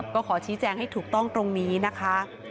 ก็ขอชี้แจงให้ถูกต้องตรงนี้นะคะ